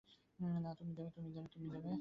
না, তুমি যাবে।